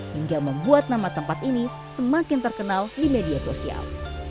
hingga membuat nama tempat ini semakin terkenal di media sosial